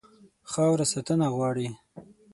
خاوره ساتنه غواړي.